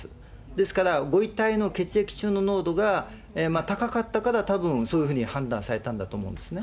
ですからご遺体の血液中の濃度が高かったから、たぶん、そういうふうに判断されたんだと思うんですね。